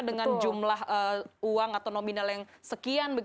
dengan jumlah uang atau nominal yang sekian